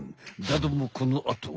だどもこのあと。